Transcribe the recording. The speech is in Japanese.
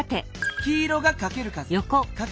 黄色がかける数。